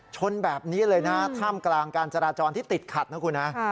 ชนแบบนี้เลยนะท่ามกลางการจราจรที่ติดขัดนะคุณฮะ